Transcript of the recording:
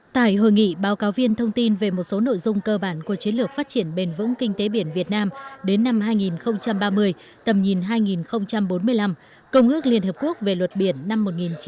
tại hội nghị báo cáo viên thông tin về một số nội dung cơ bản của chiến lược phát triển bền vững kinh tế biển việt nam đến năm hai nghìn ba mươi tầm nhìn hai nghìn bốn mươi năm công ước liên hợp quốc về luật biển năm một nghìn chín trăm tám mươi hai